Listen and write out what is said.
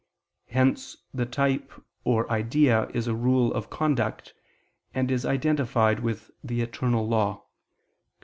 Hence the type or idea is a rule of conduct, and is identified with the eternal law, (cf.